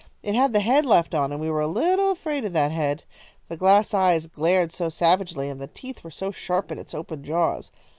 It had the head left on it, and we were a little afraid of that head. The glass eyes glared so savagely, and the teeth were so sharp in its open jaws!